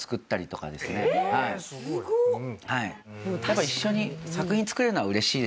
やっぱり一緒に作品作れるのは嬉しいですね。